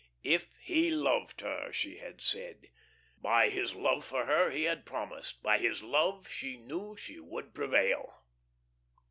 "If he loved her," she had said. By his love for her he had promised; by his love she knew she would prevail.